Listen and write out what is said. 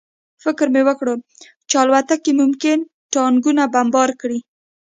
فکر مې وکړ چې الوتکې ممکن ټانکونه بمبار کړي